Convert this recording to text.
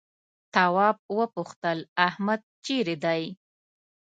تواب وپوښتل احمد چيرې دی؟